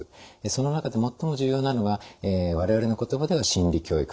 その中で最も重要なのが我々の言葉では心理教育。